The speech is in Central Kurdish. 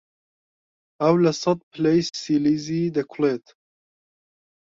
ئاو لە سەد پلەی سیلیزی دەکوڵێت.